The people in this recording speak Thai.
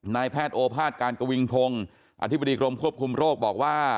นายแพทย์โอภาษการกวิงพงศ์อธิบดีกรมควบคุมโรคบอกว่า